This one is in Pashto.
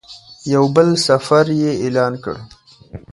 یو بل سفر یې اعلان کړ.